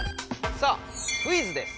さあ「クイズ」です。